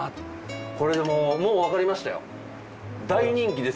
これもうわかりましたよ。